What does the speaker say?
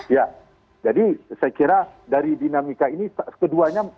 ya jadi saya kira dari dinamika ini keduanya